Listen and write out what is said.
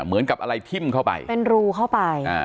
เหมือนกับอะไรทิ้มเข้าไปเป็นรูเข้าไปอ่า